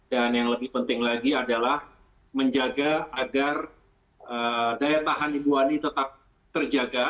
yang lebih penting lagi adalah menjaga agar daya tahan ibu ani tetap terjaga